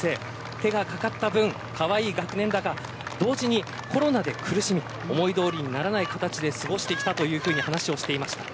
手がかかった分かわいい学年だが同時にコロナで苦しみ思い通りにならない形で過ごしてきたと話していました。